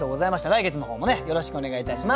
来月の方もねよろしくお願いいたします。